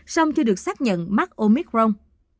song chưa được xác nhận mắc omicron